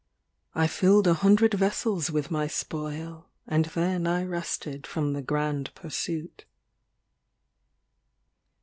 I filled a hundred vessels with my spoil, And then I rested from tho grand pursuit.